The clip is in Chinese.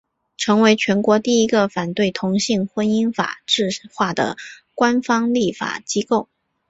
成为全国第一个反对同性婚姻法制化的官方立法机构。